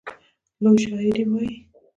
لور شاعري وايي.